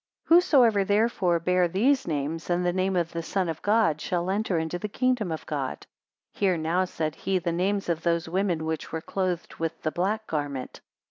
143 Whosoever therefore bear these names, and the name of the Son of God, shall enter into the kingdom of God. 144 Hear now, said he, the names of those women, which were clothed with the black garment.